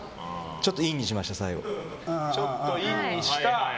ちょっとインにしました最後。